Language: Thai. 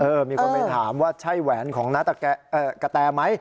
เออมีคนไปถามว่าใช่แหวนของนาตาแกะแกะแม้